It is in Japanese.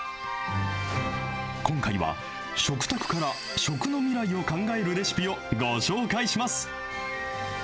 今回は食卓から食の未来を考えるレシピをご紹介します。